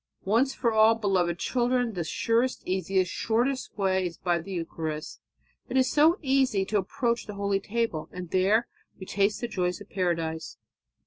Once for all, beloved children, the surest, easiest, shortest way is by the Eucharist. It is so easy to approach the holy table, and there we taste the joys of Paradise."